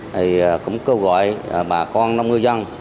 thì cũng kêu gọi bà con năm người dân